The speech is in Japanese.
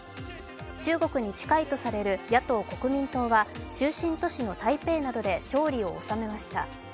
中国に近いとされる野党・国民党は中心都市の台北などで勝利を収めました。